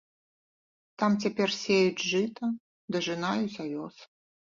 Там цяпер сеюць жыта, дажынаюць авёс.